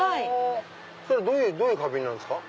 それどういう花瓶なんですか？